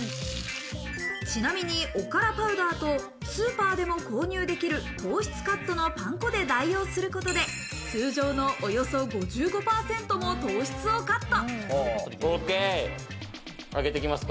ちなみに、おからパウダーとスーパーでも購入できる糖質カットのパン粉で代用することで、通常のおよそ５５％も糖質をカット。